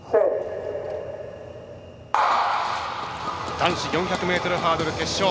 男子４００ｍハードル決勝。